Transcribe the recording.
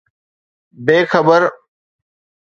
بي خبر